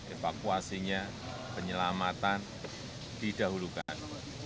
evakuasinya penyelamatan didahulukan